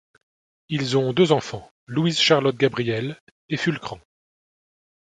Ils ont deux enfants: Louise-Charlotte-Gabrielle et Fulcrand.